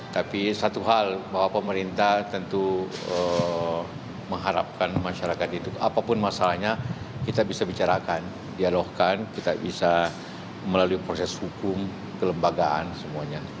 tapi satu hal bahwa pemerintah tentu mengharapkan masyarakat itu apapun masalahnya kita bisa bicarakan dialogkan kita bisa melalui proses hukum kelembagaan semuanya